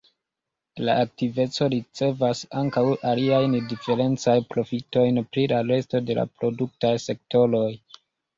La aktiveco ricevas ankaŭ aliajn diferencajn profitojn pri la resto de la produktaj sektoroj.